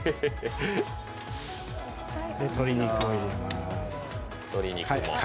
鶏肉を入れます。